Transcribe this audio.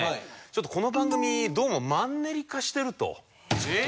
ちょっとこの番組どうもマンネリ化してると。